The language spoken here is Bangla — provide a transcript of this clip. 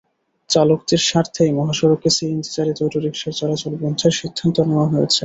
চালকদের স্বার্থেই মহাসড়কে সিএনজি চালিত অটোরিকশার চলাচল বন্ধের সিদ্ধান্ত নেওয়া হয়েছে।